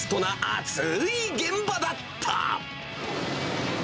アツい現場だった。